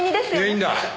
いいんだ。